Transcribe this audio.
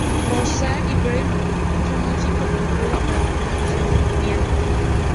Mozart y Beethoven son sus músicos preferidos para composiciones de piano.